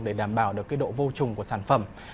để đảm bảo được độ vô trùng của sản phẩm